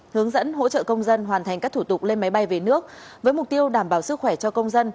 hướng dẫn hỗ trợ công dân hoàn thành các thủ tục lên máy bay về nước với mục tiêu đảm bảo sức khỏe cho công dân